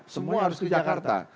semua harus di jakarta